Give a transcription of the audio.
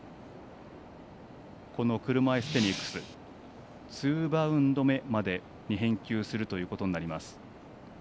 この車いすテニスツーバウンド目までに返球するということになります。